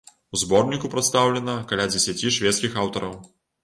У зборніку прадстаўлена каля дзесяці шведскіх аўтараў.